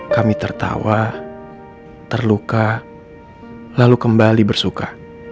kami tertawa terluka lalu kembali bersuka